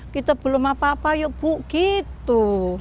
kita belum apa apa yuk bu gitu